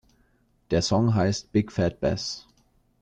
Der Song heißt "Big Fat Bass".